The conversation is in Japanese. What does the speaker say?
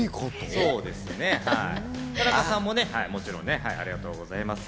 田中さんももちろんね、ありがとうございます。